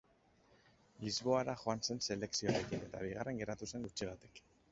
Lisboara joan zen selekzioarekin eta bigarren geratu zen gutxigatik.